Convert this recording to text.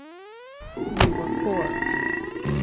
We were poor.